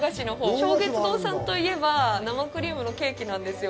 松月堂さんといえば生クリームのケーキなんですよ。